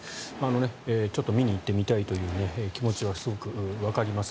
ちょっと見に行ってみたいという気持ちはすごくわかります。